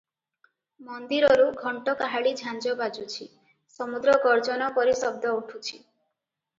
ମନ୍ଦିରରୁ ଘଣ୍ଟ କାହାଳି ଝାଞ୍ଜ ବାଜୁଛି, ସମୁଦ୍ର ଗର୍ଜନ ପରି ଶବ୍ଦ ଉଠୁଛି ।